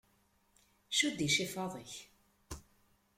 Cudd icifaḍ-ik!